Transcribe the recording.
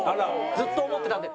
ずっと思ってたんで。